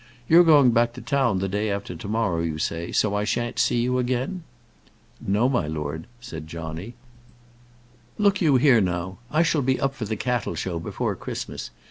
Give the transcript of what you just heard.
"You're going back to town the day after to morrow, you say, so I shan't see you again?" "No, my lord," said Johnny. "Look you here, now. I shall be up for the Cattle show before Christmas.